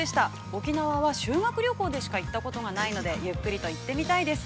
沖縄は修学旅行でしか行ったことがないので、ゆっくりと行ってみたいです。